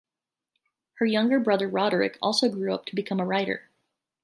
Her younger brother Roderick also grew up to become a writer.